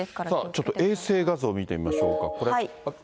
ちょっと衛星画像を見てみましょうか。